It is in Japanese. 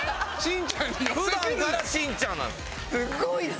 すごいさ。